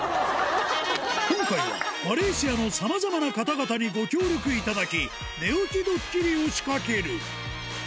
今回は、マレーシアのさまざまな方々にご協力いただき、寝起きドッキリを仕掛ける。